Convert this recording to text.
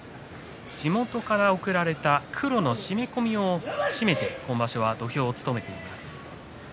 地元からも贈られた黒の締め込みを締めて今場所の土俵を務めています。